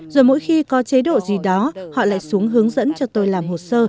rồi mỗi khi có chế độ gì đó họ lại xuống hướng dẫn cho tôi làm hồ sơ